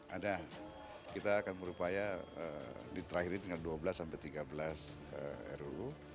ada kita akan berupaya diterakin dengan dua belas sampai tiga belas ruu